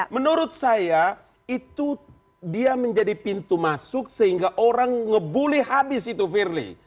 menurut saya itu dia menjadi pintu masuk sehingga orang ngebully habis itu firly